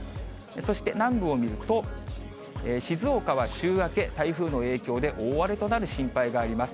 そして南部を見ると、静岡は週明け、台風の影響で大荒れとなる心配があります。